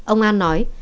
ông an nói